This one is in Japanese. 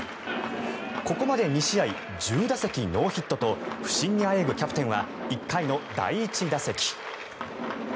ここまで２試合１０打席ノーヒットと不振にあえぐキャプテンは１回の第１打席。